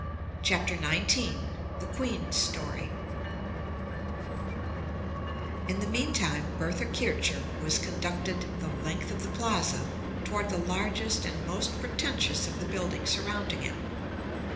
Chapter XIX The Queen's Story In the meantime Bertha Kircher was conducted the length of the plaza toward the largest and most pretentious of the buildings surrounding it.